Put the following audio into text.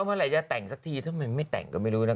เมื่อไหร่จะแต่งสักทีทำไมไม่แต่งก็ไม่รู้นะ